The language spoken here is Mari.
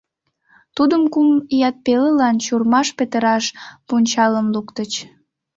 Тудым кум ият пелылан чурмаш петыраш пунчалым луктыч.